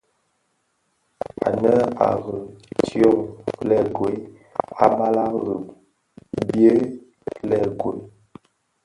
Ànë à riì tyông lëëgol, a balàg rì byey lëëgol.